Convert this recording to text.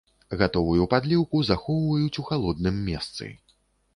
Гатовую падліўку захоўваюць у халодным месцы.